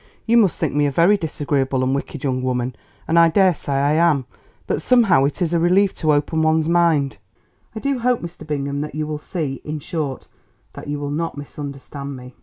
You must think me a very disagreeable and wicked young woman, and I daresay I am. But somehow it is a relief to open one's mind. I do hope, Mr. Bingham, that you will see—in short, that you will not misunderstand me."